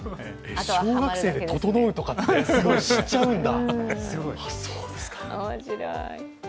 小学生でととのうとかって知っちゃうんだ。